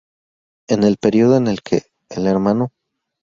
En el periodo en que el Hno.